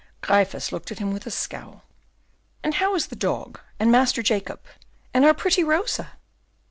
Gryphus looked at him with a scowl. "And how is the dog, and Master Jacob, and our pretty Rosa?"